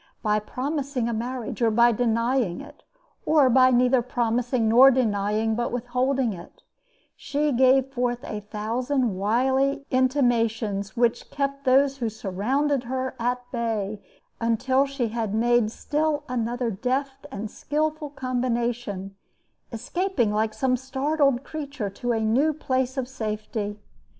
By promising a marriage or by denying it, or by neither promising nor denying but withholding it, she gave forth a thousand wily intimations which kept those who surrounded her at bay until she had made still another deft and skilful combination, escaping like some startled creature to a new place of safety.